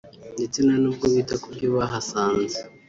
ndetse nta n’ubwo bita ku byo bahasanze